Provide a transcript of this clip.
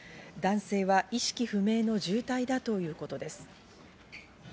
男性は意識不明の重体だということです。